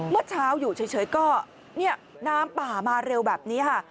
เมื่อเช้าอยู่เฉยก็เนี่ยน้ำป่ามาเร็วแบบนี้ค่ะ